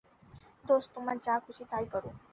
দোস্ত তোমরা যা খুশি তাই কর।